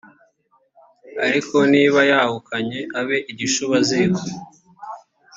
ariko niba yahukanye abe igishubaziko